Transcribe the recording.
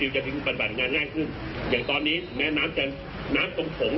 จะถึงปฏิบัติงานง่ายขึ้นอย่างตอนนี้ถึงแม้น้ำจะน้ำตรงสูง